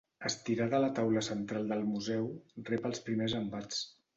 Estirada a la taula central del museu rep els primers embats.